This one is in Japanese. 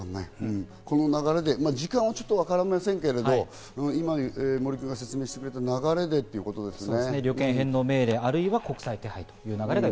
この流れで、時間はちょっとわかりませんけど、今、森君が説明してくれた流れでということですね。